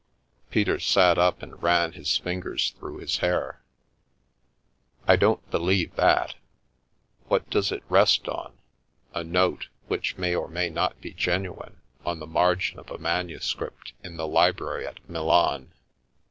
Peter sat up and ran his fingers through his hair. " I don't believe that. What does it rest on? A note, which may or may not be genuine, on the margin of a manuscript in the library at Milan!